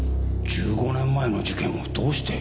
１５年前の事件をどうして？